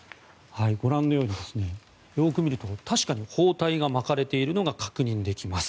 ご覧のようによく見ると確かに包帯が巻かれているのが確認できます。